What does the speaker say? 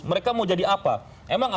mereka mau jadi apa emang